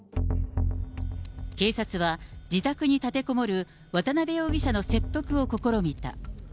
警察は、自宅に立てこもる渡辺容疑者の説得を試みた。